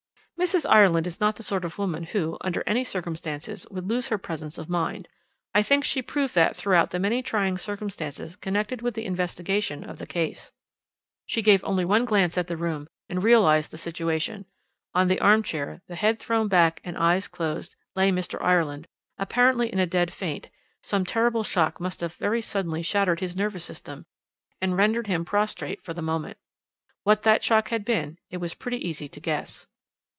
"Mrs. Ireland is not the sort of woman who, under any circumstances, would lose her presence of mind. I think she proved that throughout the many trying circumstances connected with the investigation of the case. She gave only one glance at the room and realized the situation. On the arm chair, with head thrown back and eyes closed, lay Mr. Ireland, apparently in a dead faint; some terrible shock must have very suddenly shattered his nervous system, and rendered him prostrate for the moment. What that shock had been it was pretty easy to guess.